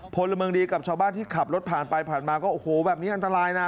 พลเมืองดีกับชาวบ้านที่ขับรถผ่านไปผ่านมาก็โอ้โหแบบนี้อันตรายนะ